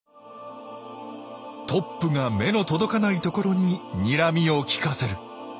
トップが目の届かないところににらみを利かせる。